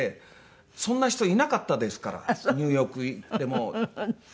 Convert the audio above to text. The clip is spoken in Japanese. そんな人いなかったですからニューヨーク行ってもどこ行っても。